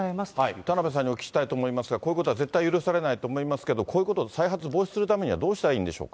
田辺さんにお聞きしたいと思いますが、こういうことは絶対許されないと思いますけど、こういうこと、再発防止するためには、どうしたらいいんでしょうか。